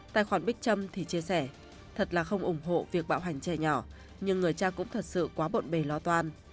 tài khoản bích trâm thì chia sẻ thật là không ủng hộ việc bạo hành trẻ nhỏ nhưng người cha cũng thật sự quá bộn bề lo toan